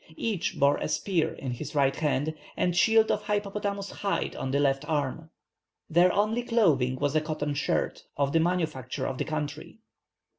Each bore a spear in his right hand, and a shield of hippopotamus hide on the left arm. Their only clothing was a cotton shirt, of the manufacture of the country.